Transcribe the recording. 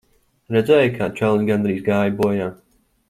Redzēji, kā čalis gandrīz gāja bojā.